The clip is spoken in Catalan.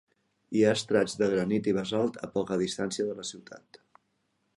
Hi ha estrats de granit i basalt a poca distància de la ciutat.